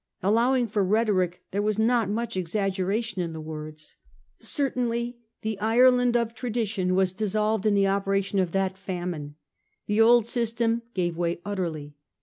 Allow ing for rhetoric, there was not much exaggeration in the words. Certainly the Ireland of tradition was dissolved in the operation of that famine. The old system gave way utterly.